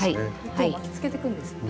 糸を巻きつけてくんですね。